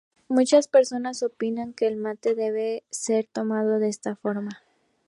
Muchas personas opinan que el mate debe ser tomado de esta forma.